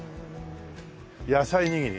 野菜握り。